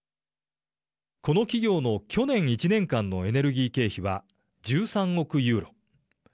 この企業の去年１年間のエネルギー経費は１３億ユーロ。